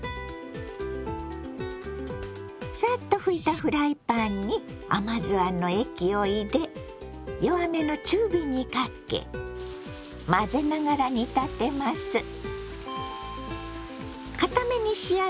サッと拭いたフライパンに甘酢あんの液を入れ弱めの中火にかけ混ぜながら煮立てます。